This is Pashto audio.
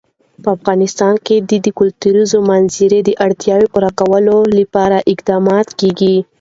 په افغانستان کې د د کلیزو منظره د اړتیاوو پوره کولو لپاره اقدامات کېږي.